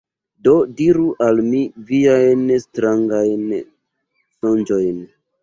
Do diru al mi viajn strangajn sonĝojn.